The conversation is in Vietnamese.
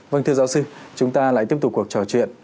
vâng thưa giáo sư chúng ta lại tiếp tục cuộc trò chuyện